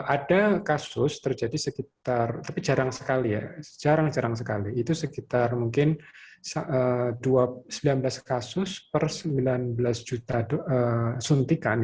ada kasus terjadi sekitar tapi jarang sekali ya jarang jarang sekali itu sekitar mungkin sembilan belas kasus per sembilan belas juta suntikan